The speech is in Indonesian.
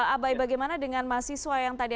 abai bagaimana dengan mahasiswa yang tadi